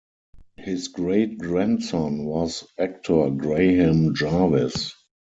His great-grandson was actor Graham Jarvis.